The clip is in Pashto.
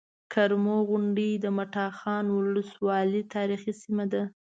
کرمو غونډۍ د مټاخان ولسوالۍ تاريخي سيمه ده